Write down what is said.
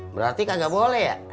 berarti kagak boleh ya